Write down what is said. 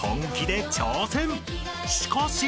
［しかし］